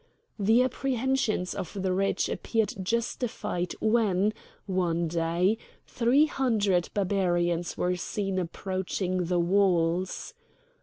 The apprehensions of the rich appeared justified when, one day, three hundred Barbarians were seen approaching the walls.